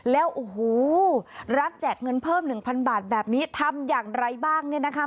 แล้วโอ้โหรัฐแจกเงินเพิ่ม๑๐๐บาทแบบนี้ทำอย่างไรบ้างเนี่ยนะคะ